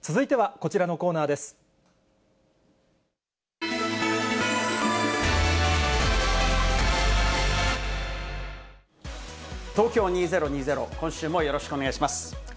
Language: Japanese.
ＴＯＫＹＯ２０２０、今週もよろしくお願いします。